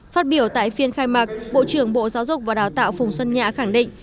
phát biểu tại phiên khai mạc bộ trưởng bộ giáo dục và đào tạo phùng xuân nhạ khẳng định